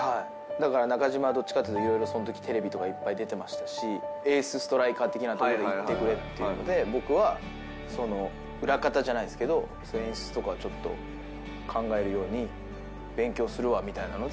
だから中島はどっちかっていうと色々そのときテレビとかいっぱい出てましたしエースストライカー的なところにいってくれっていうので僕は裏方じゃないですけどそういう演出とかちょっと考えるように勉強するわみたいなので。